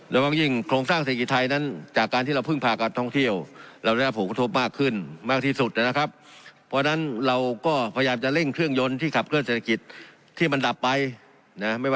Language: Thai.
และบางอย่างโครงสร้างเศรษฐกิจไทยนั้นจากการที่เราพึ่งพากับท้องเที่ยว